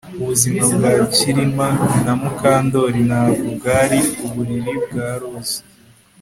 Ubuzima bwa Kirima na Mukandoli ntabwo bwari uburiri bwa roza